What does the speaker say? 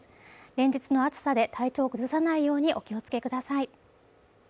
連日の暑さで体調を崩さないようにお気をつけください